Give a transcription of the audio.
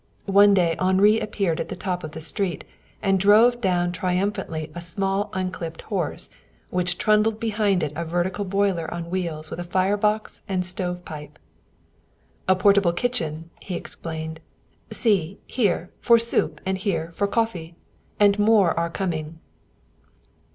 One day Henri appeared at the top of the street and drove down triumphantly a small unclipped horse, which trundled behind it a vertical boiler on wheels with fire box and stovepipe. "A portable kitchen!" he explained. "See, here for soup and here for coffee. And more are coming."